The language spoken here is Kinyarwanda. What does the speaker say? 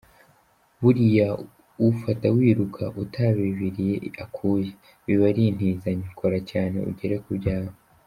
Biriya ufata wiruka utabibiriye akuya, biba ari intizanyo, kora cyane ugere ku byawe.